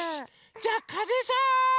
じゃあかぜさん！